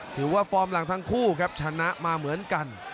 ฟอร์มหลังทั้งคู่ครับชนะมาเหมือนกัน